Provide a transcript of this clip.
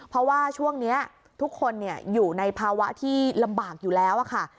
เพราะว่าช่วงนี้ทุกคนอยู่ในภาวะที่ลำบากอยู่แล้วค่ะ